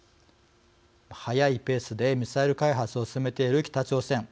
早いペースでミサイル開発を進めている北朝鮮。